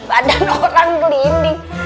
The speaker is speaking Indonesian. badan orang gelinding